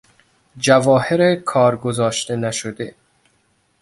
جواهر کار گذاشته نشده